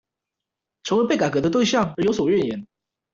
成為被改革的對象而有所怨言